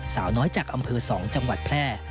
สาวน้อยจากอำเภอ๒จังหวัดแพร่